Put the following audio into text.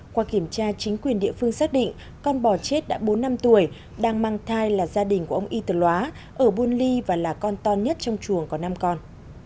qua kiểm tra chính quyền địa phương xác định con bò chết đã bốn năm tuổi đang mang thai là gia đình của ông y tờ loá ở buôn ly và là con to nhất trong chuồng có năm con